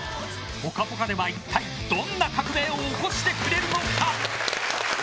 「ぽかぽか」では一体どんな革命を起こしてくれるのか。